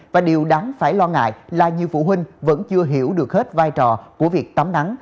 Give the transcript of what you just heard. và điều đáng phải lo ngại là nhiều phụ huynh vẫn chưa hiểu được hết vai trò của việc tắm nắng